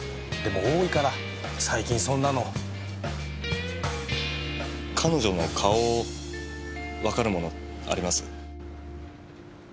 でも多いから最近そんなの。彼女の顔わかるものあります？